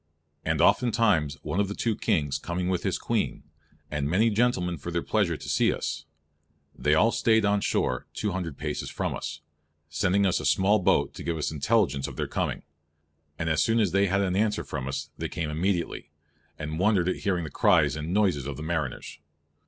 And oftentimes one of the two Kings comming with his Queene, and many gentlemen for their pleasure to see us, they all stayed on shore 200 paces from us, sending us a small boat to give us intelligence of their comming; and as soon as they had answere from us they came immediately, and wondered at hearing the cries and noyses of the mariners.